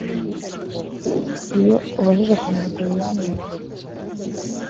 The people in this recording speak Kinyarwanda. Iyo ubajije Kundwa Doriane uti